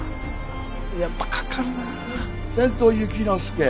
やっぱかかるなぁ。